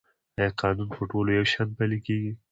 آیا قانون په ټولو یو شان پلی کیږي؟